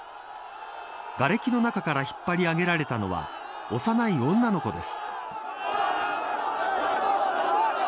がれきの中から引っ張り上げられたのは幼い女の子です。